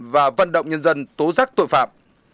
và vận động nhân dân tố rắc tội phạm